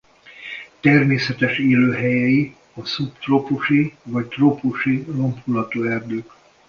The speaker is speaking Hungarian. Természetes élőhelyei a szubtrópusi vagy trópusi lombhullató erdők.